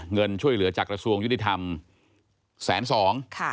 เงินช่วยเหลือจากกระทรวงยุติธรรมแสนสอง